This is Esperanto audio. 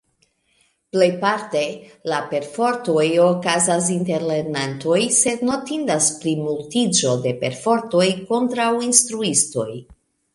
Plejparte la perfortoj okazas inter lernantoj, sed notindas plimultiĝo de perfortoj kontraŭ instruistoj.